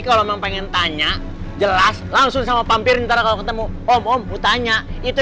kalau mau pengen tanya jelas langsung sama pampir ntar aku ketemu om om putanya itu